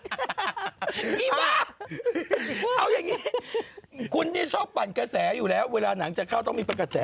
พี่บ้าเอาอย่างนี้คุณชอบปั่นกระแสอยู่แล้วเวลาหนังจะเข้าต้องมีกระแสเกี่ยวกับคุณ